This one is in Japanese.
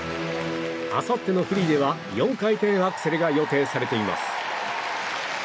あさってのフリーでは４回転アクセルが予定されています。